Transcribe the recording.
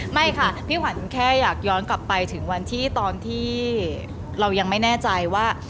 ไม่ค่ะพี่ขวัญแค่อยากย้อนกลับไปถึงวันที่ตอนที่เรายังไม่แน่ใจว่า